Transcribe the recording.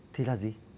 thì là gì